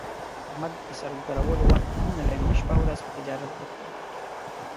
احمد د سر ګرولو وخت هم نه لري، شپه اورځ په تجارت بوخت دی.